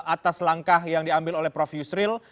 atas langkah yang diambil oleh prof yusril